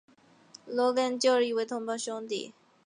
罗根解释德瑞克的死是救了一位同袍兄弟。